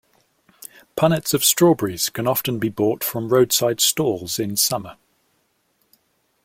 Punnets of strawberries can often be bought from roadside stalls in summer